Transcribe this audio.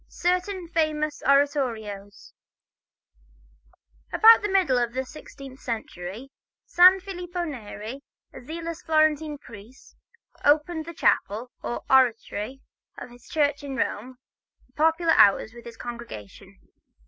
XI Certain Famous Oratorios About the middle of the sixteenth century, San Filippo Neri, a zealous Florentine priest, opened the chapel, or oratory, of his church in Rome, for popular hours with his congregation.